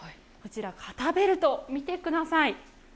こちら、肩ベルト、見てください。